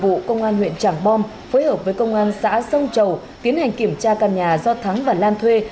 cơ quan cảnh sát điều tra công an huyện trảng bom phối hợp với công an xã sông chầu tiến hành kiểm tra căn nhà do thắng và lan thuê